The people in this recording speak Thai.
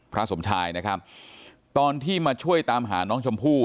สมชายนะครับตอนที่มาช่วยตามหาน้องชมพู่